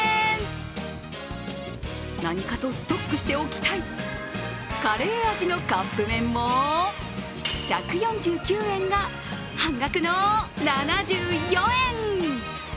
何かとストックしておきたいカレー味のカップ麺も１４９円が半額の７４円！